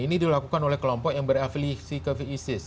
ini dilakukan oleh kelompok yang berafiliasi ke visis